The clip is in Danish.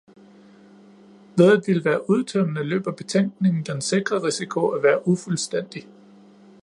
Ved at ville være udtømmende løber betænkningen den sikre risiko at være ufuldstændig.